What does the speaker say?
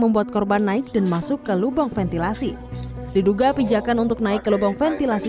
membuat korban naik dan masuk ke lubang ventilasi diduga pijakan untuk naik ke lubang ventilasi